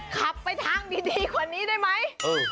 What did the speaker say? ขับไปทางดีกว่านี้ได้ไหม